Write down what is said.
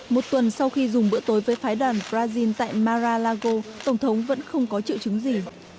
một tuần sau khi dùng bữa tối với phái đoàn brazil tại marra lago tổng thống vẫn không có triệu chứng gì